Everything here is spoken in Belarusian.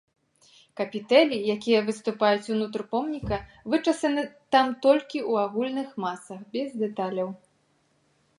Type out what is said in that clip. Капітэлі, якія выступаюць ўнутр помніка, вычасаны там толькі ў агульных масах, без дэталяў.